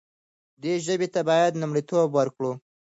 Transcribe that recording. دې ژبې ته باید لومړیتوب ورکړو.